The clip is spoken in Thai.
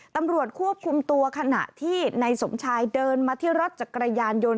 ตำรวจควบคุมตัวขณะที่นายสมชายเดินมาที่รถจักรยานยนต์